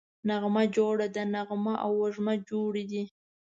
نغمه جوړه ده → نغمه او وږمه جوړې دي